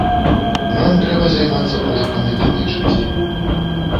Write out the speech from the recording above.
Нам трэба займацца пошукам ідэнтычнасці.